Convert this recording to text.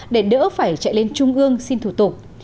để đỡ phải chạy lên trung ương xin thủ tục